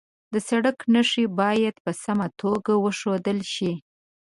د سړک نښې باید په سمه توګه وښودل شي.